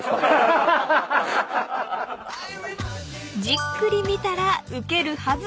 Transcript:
［じっくり見たらウケるはず］